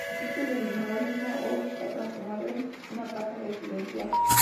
El edificio del molino hoy está transformado en una casa residencial.